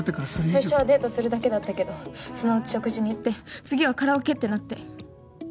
最初はデートするだけだったけどそのうち食事に行って次はカラオケってなって。